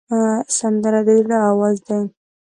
سندره د زړه آواز دی